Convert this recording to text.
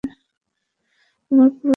আমরা পুরোটা সমভাগে ভাগ করে নিবো।